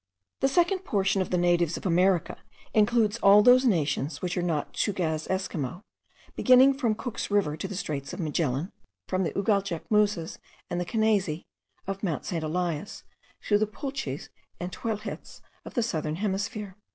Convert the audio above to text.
The second portion of the natives of America includes all those nations which are not Tschougaz Esquimaux, beginning from Cook's River to the Straits of Magellan, from the Ugaljachmouzes and the Kinaese of Mount St. Elias, to the Puelches and Tehuelhets of the southern hemisphere.